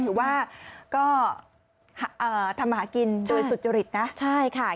ถือว่าก็ทำหากินโดยสุจริตนะใช่ค่ะ